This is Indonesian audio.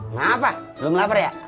ngapain belum lapar ya